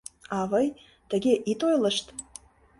— Авый, тыге ит ойлышт.